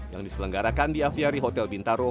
yang diselenggarakan di aviari hotel bintaro